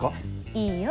いいよ。